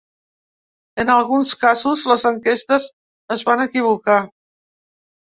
En alguns casos les enquestes es van equivocar.